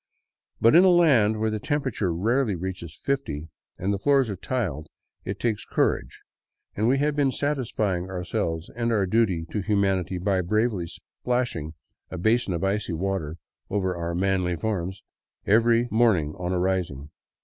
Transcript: But in a land where the temperature rarely reaches fifty, and the floors are tiled, it takes courage, and we had been satisfying ourselves and our duty to humanity by bravely splashing a basin of icy water over our manly forms each morning on arising.